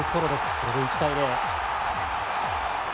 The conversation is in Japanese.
これで１対０。